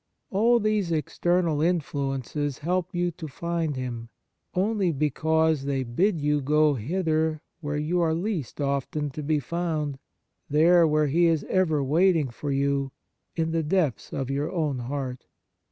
All these external 50 The Nature of Piety influences help you to find Him, only because they bid you go thither where you are least often to be found, there where He is ever waiting for you — in the depths of your own heart.